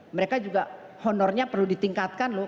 mereka juga honornya perlu ditingkatkan loh